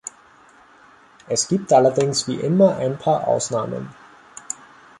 Es gibt allerdings wie immer ein paar Ausnahmen.